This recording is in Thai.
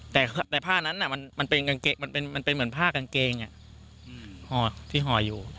แต่แต่ผ้านั้นน่ะมันมันเป็นกางเกะมันเป็นมันเป็นเหมือนผ้ากางเกงอ่ะอืมห่อที่ห่อยอยู่